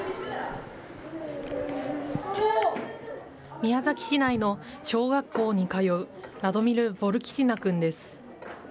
宮崎市内の小学校に通う、ラドミル・ヴォルキティナ君です。